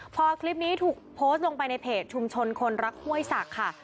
พอคลิปนี้ถูกโพสต์ลงไปในเพจชุมชนคนรักห้วยศักดิ์ค่ะ